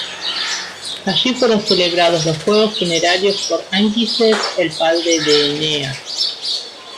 Allí fueron celebrados los juegos funerarios por Anquises, el padre de Eneas.